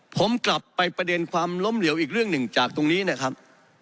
ผมกลับไปประเด็นความล้มเหลวอีกเรื่องหนึ่งจากตรงนี้นะครับ